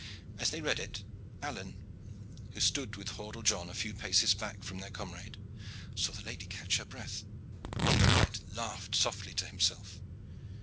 As they read it, Alleyne, who stood with Hordle John a few paces back from their comrade, saw the lady catch her breath, while the knight laughed softly to himself.